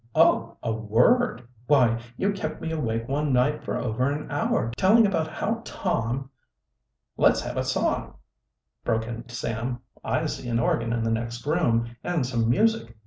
"Oh! A word! Why, you kept me awake one night for over an hour telling about how Tom " "Let's have a song," broke in Sam. "I see an organ in the next room and some music.